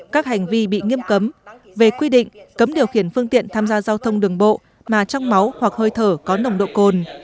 các hành vi bị nghiêm cấm về quy định cấm điều khiển phương tiện tham gia giao thông đường bộ mà trong máu hoặc hơi thở có nồng độ cồn